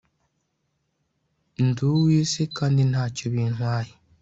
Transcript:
ndi uw'isi kandi ntacyo bintwaye